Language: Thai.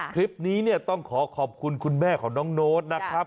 คลิปนี้เนี่ยต้องขอขอบคุณคุณแม่ของน้องโน้ตนะครับ